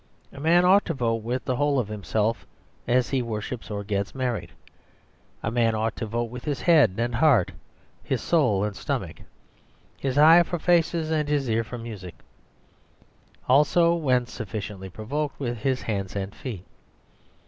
A man ought to vote with the whole of himself as he worships or gets married. A man ought to vote with his head and heart, his soul and stomach, his eye for faces and his ear for music; also (when sufficiently provoked) with his hands and feet.